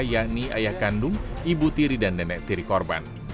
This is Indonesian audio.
yakni ayah kandung ibu tiri dan nenek tiri korban